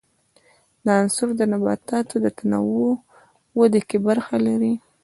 دا عنصر د نباتاتو د تنو په ودې کې برخه لري.